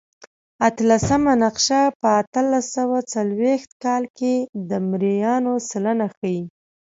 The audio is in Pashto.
اتلسمه نقشه په اتلس سوه څلوېښت کال کې د مریانو سلنه ښيي.